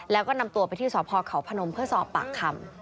แล้วก็นำตัวไปที่สพเขาพนมเพื่อสอบปากคำ